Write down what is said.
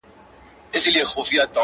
واده په ساز ښه ايسي، مړی په ژړا.